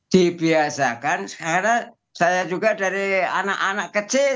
dibiasakan sekarang saya juga dari anak anak kecil